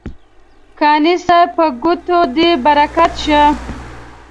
قانع صاحب په ګوتو دې برکت شه.